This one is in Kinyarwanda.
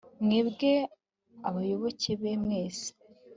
mwebwe abayoboke be mwese